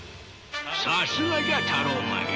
さすがじゃタローマンよ。